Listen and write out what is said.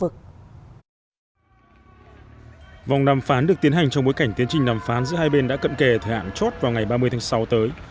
cảnh tiến trình đàm phán giữa hai bên đã cận kề thời hạn chốt vào ngày ba mươi tháng sáu tới